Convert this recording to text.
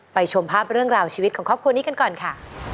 ชมภาพเรื่องราวชีวิตของครอบครัวนี้กันก่อนค่ะ